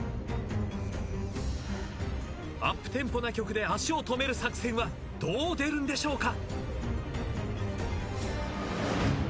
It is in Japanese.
アップテンポな曲で足を止める作戦はどう出るんでしょうか？